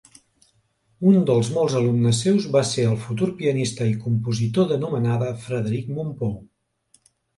Un dels molts alumnes seus va ser el futur pianista i compositor d'anomenada Frederic Mompou.